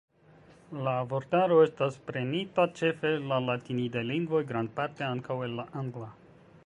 La vortaro estas prenita ĉefe el la latinidaj lingvoj, grandparte ankaŭ el la angla.